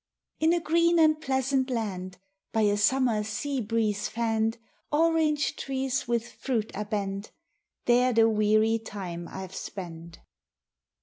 "In a green and pleasant land, By a summer sea breeze fanned, Orange trees with fruit are bent; There the weary time I've spent."